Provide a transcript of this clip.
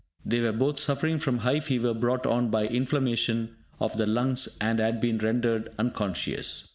They were both suffering from high fever brought on by inflammation of the lungs, and had been rendered unconscious.